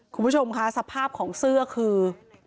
คุณผู้ชมค่ะสภาพของเสื้อคือ